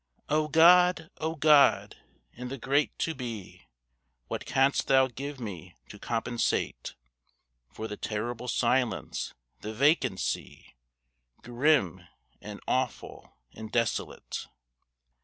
O God! O God! in the great To Be What canst Thou give me to compensate For the terrible silence, the vacancy, Grim, and awful, and desolate?